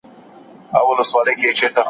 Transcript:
استاد به د موضوع په اړه بحث کوي.